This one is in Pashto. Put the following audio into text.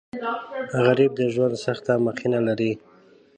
غریب د ژوند سخته مخینه لري